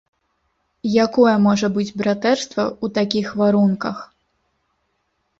Якое можа быць братэрства ў такіх варунках?!